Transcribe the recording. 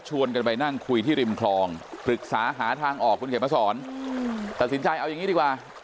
กันไปนั่งคุยที่ริมคลองปรึกษาหาทางออกคุณเขียนมาสอนตัดสินใจเอาอย่างนี้ดีกว่า